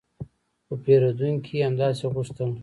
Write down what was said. خو پیرودونکي همداسې غوښتل